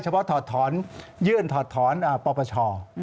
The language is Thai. เฉพาะถอดถอนยื่นถอดถอนประประชา